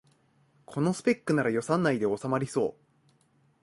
このスペックなら予算内でおさまりそう